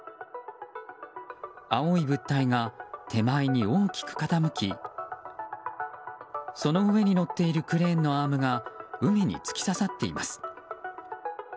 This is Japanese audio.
青い物体が手前に大きく傾きその上に載っているクレーンのアームが海に突き刺さっています。